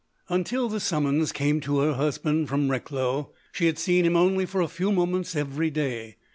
Until the summons came to her husband from Recklow, she had seen him only for a few moments every day.